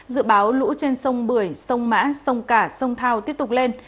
dự báo lũ trên sông bưởi sông mã sông cả sông thao tiếp tục lên